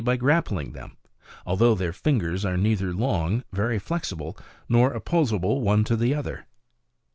can climb trees simply grappling them, although their fingers are neither long, veiy flexible, nor opposable one to the other.